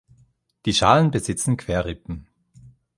Die Schalen besitzen Querrippen.